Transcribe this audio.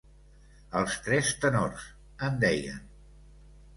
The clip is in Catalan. Els tres tenors, en deien.